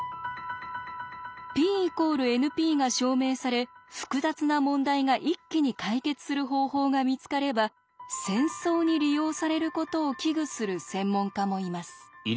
Ｐ＝ＮＰが証明され複雑な問題が一気に解決する方法が見つかれば戦争に利用されることを危惧する専門家もいます。